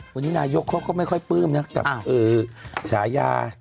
วันนี้นายกเขาก็ไม่ค่อยปลื้มนะกับฉายา